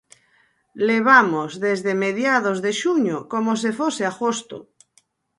Levamos desde mediados de xuño como se fose agosto.